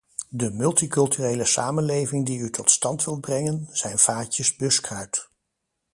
De multiculturele samenlevingen die u tot stand wilt brengen, zijn vaatjes buskruit.